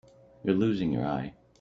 You're losing your eye.